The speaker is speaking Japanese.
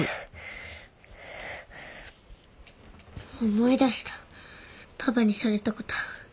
思い出したパパにされたこと。